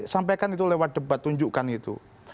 sampaikan itu lewat debat tunjukkan itu